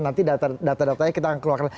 nanti data datanya kita akan keluarkan